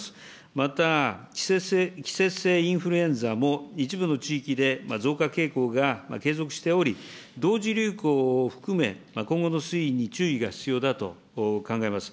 また季節性インフルエンザも一部の地域で増加傾向が継続しており、同時流行を含め、今後の推移に注意が必要だと考えます。